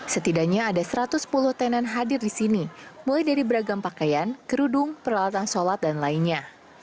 setidaknya ada satu ratus sepuluh tenan hadir di sini mulai dari beragam pakaian kerudung peralatan sholat dan lainnya